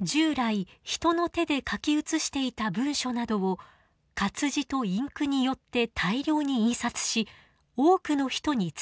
従来人の手で書き写していた文書などを活字とインクによって大量に印刷し多くの人に伝える。